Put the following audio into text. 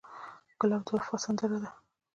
ګلاب د وفا سندره ده.